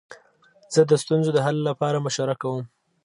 زه د ستونزو د حل لپاره مشوره کوم.